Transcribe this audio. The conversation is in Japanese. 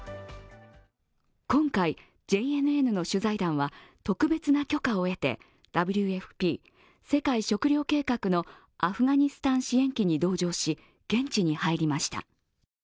今回、ＪＮＮの取材団は特別な許可を得てＷＦＰ＝国連世界食糧計画のアフガニスタン支援機に同乗し現地に入りました。